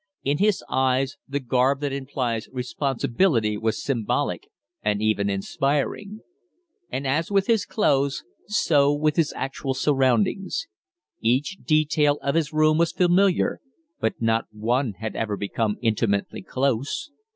In his eyes the garb that implies responsibility was symbolic and even inspiring. And, as with clothes, so with his actual surroundings. Each detail of his room was familiar, but not one had ever become intimately close.